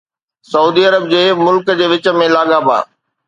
سعودي عرب جي ملڪ جي وچ ۾ لاڳاپا